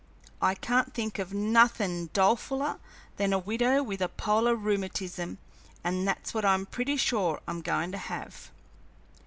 I can't think of nothin' dolefuler than a widow with a polar rheumatism, and that's what I'm pretty sure I'm goin' to have."